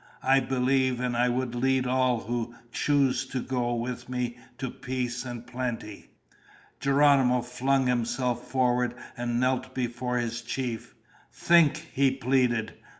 I believe, and I would lead all who choose to go with me to peace and plenty." Geronimo flung himself forward and knelt before his chief. "Think!" he pleaded.